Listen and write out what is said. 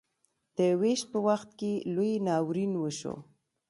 د ویش په وخت کې لوی ناورین وشو.